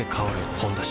「ほんだし」